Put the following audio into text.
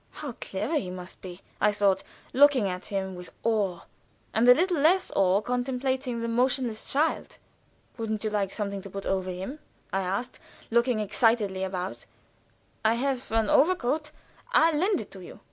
"How clever he must be," I thought, looking at him with awe, and with little less awe contemplating the motionless child. "Wouldn't you like something to put over him?" I asked, looking excitedly about. "I have an overcoat. I'll lend it you."